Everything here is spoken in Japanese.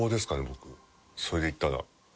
僕それで言ったら。